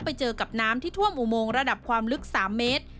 ไปเจอกับน้ำที่ท่วมอุโมงระดับความลึก๓เมตร